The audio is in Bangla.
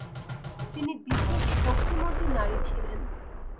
তিনি বিশেষ ভক্তিমতী নারী ছিলেন।